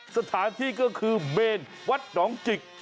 สถานที่ก็คือเมนวัดหนองจิก